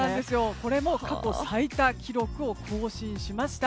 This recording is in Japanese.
これも過去最多記録を更新しました。